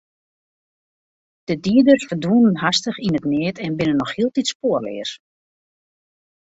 De dieders ferdwûnen hastich yn it neat en binne noch hieltyd spoarleas.